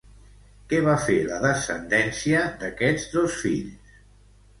Què va fer la descendència d'aquests dos fills?